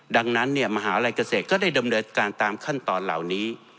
ดังนั้นมหาลัยเกษตรก็ได้ดำเนินการตามขั้นตอนเหล่านี้